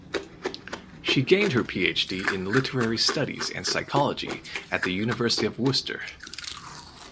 She gained her PhD in literary studies and psychology at the University of Worcester.